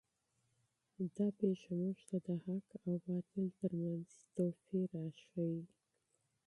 دا واقعه موږ ته د حق او باطل تر منځ توپیر راښیي.